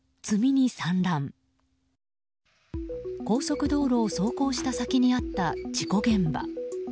高速道路を走行した先にあった事故現場。